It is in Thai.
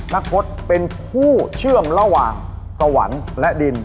นักพจน์เป็นคู่เชื่อมระหว่างสวรรค์และดิน